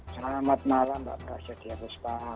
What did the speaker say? selamat malam mbak prasetya puspa